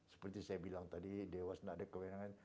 seperti saya bilang tadi dewas tidak ada kewenangan